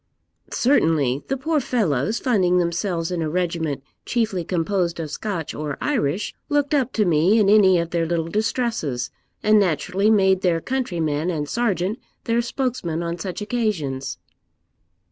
'Certainly; the poor fellows, finding themselves in a regiment chiefly composed of Scotch or Irish, looked up to me in any of their little distresses, and naturally made their countryman and sergeant their spokesman on such occasions.'